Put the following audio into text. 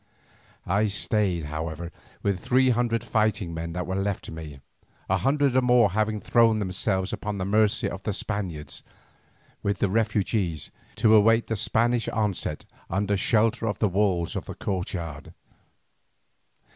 I stayed, however, with the three hundred fighting men that were left to me, a hundred or more having thrown themselves upon the mercy of the Spaniards, with the refugees, to await the Spanish onset under shelter of the walls of the courtyard.